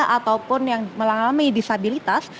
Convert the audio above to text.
ataupun yang mengalami disabilitas